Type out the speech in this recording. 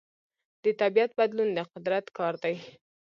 د طبیعت بدلون د قدرت کار دی.